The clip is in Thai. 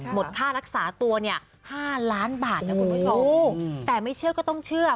หมดค่านักษาตัว๕ล้านบาทแต่ไม่เชื่อก็ต้องเชื่อ